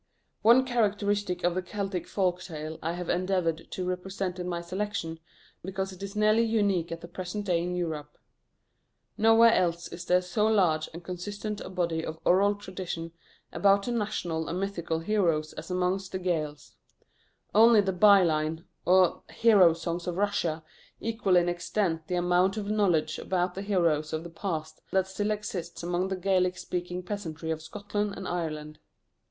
One characteristic of the Celtic folk tale I have endeavoured to represent in my selection, because it is nearly unique at the present day in Europe. Nowhere else is there so large and consistent a body of oral tradition about the national and mythical heroes as amongst the Gaels. Only the byline, or hero songs of Russia, equal in extent the amount of knowledge about the heroes of the past that still exists among the Gaelic speaking peasantry of Scotland and Ireland.